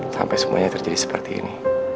sampai semuanya terjadi seperti ini